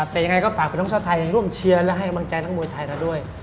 แต่ยังไงก็ฝากพี่น้องชาวไทยร่วมเชียร์และให้กำลังใจนักมวยไทยเราด้วย